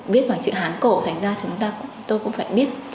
viết bằng chữ hán cổ thành ra chúng ta cũng phải biết